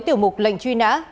tiểu mục lệnh truy nã